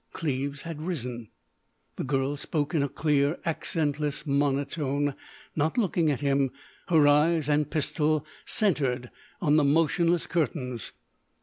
Cleves had risen. The girl spoke in a clear, accentless monotone, not looking at him, her eyes and pistol centred on the motionless curtains.